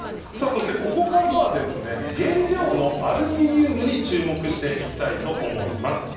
そしてここからは原料のアルミニウムに注目していきたいと思います。